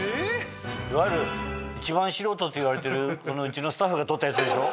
いわゆる一番素人っていわれてるうちのスタッフが撮ったやつでしょ？